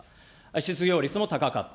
失業率も高かった。